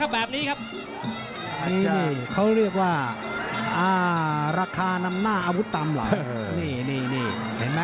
สอนหน้านี้นี่อรัวมัติขู่ลุ่นน้องมุมแดงที่เห็นแล้วครับสอนหน้านี้นี่อรัวมัติเป็นประทัดจุดจีนเลยนะพี่ชัยนะ